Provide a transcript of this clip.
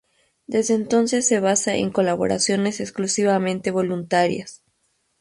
Desde entonces se basa en colaboraciones exclusivamente voluntarias.